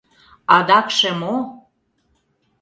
— Адакше мо?